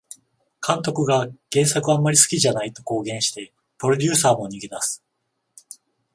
監督が原作あんまり好きじゃないと公言してプロデューサーも逃げ出す